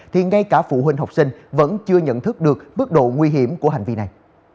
thì ngay cả phụ huynh học sinh vẫn chưa nhận thức được mức độ nguy hiểm của hành vi này